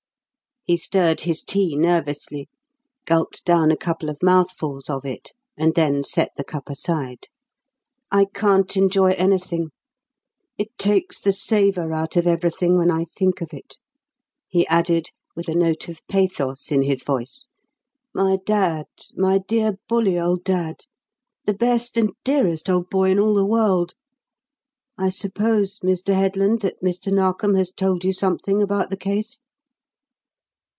He stirred his tea nervously, gulped down a couple of mouthfuls of it, and then set the cup aside. "I can't enjoy anything; it takes the savour out of everything when I think of it," he added, with a note of pathos in his voice. "My dad, my dear, bully old dad, the best and dearest old boy in all the world! I suppose, Mr. Headland, that Mr. Narkom has told you something about the case?"